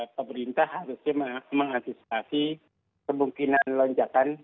pemerintah harusnya mengantisipasi kemungkinan lonjakan